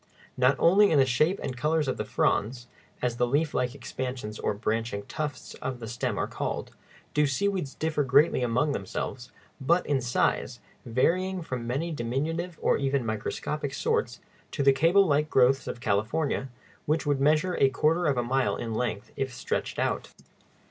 Not only in the shape and colors of the fronds (as the leaf like expansions or branching tufts of the stem are called) do seaweeds differ greatly among themselves, but in size, varying from many diminutive or even microscopic sorts to the cable like growths of California, which would measure a quarter of a mile in length if stretched out.